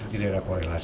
tidak ada korelasi